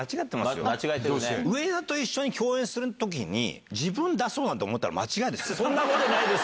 上田と一緒に共演するときに、自分だそうなんて思ったら、間違いです。